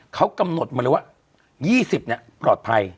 เขากำหนดมาเลยว่า๒๐ปลอดภัย